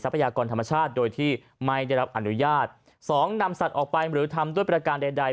พยากรธรรมชาติโดยที่ไม่ได้รับอนุญาตสองนำสัตว์ออกไปหรือทำด้วยประการใดใด